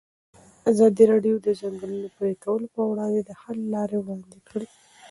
ازادي راډیو د د ځنګلونو پرېکول پر وړاندې د حل لارې وړاندې کړي.